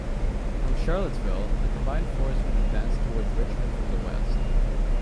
From Charlottesville, the combined force would advance towards Richmond from the west.